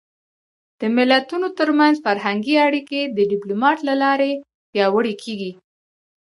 د ملتونو ترمنځ فرهنګي اړیکې د ډيپلومات له لارې پیاوړې کېږي.